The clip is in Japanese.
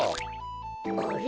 あれ？